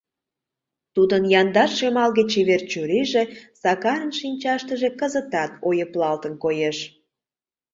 Тудын яндар шемалге-чевер чурийже Сакарын шинчаштыже кызытат ойыплалтын коеш.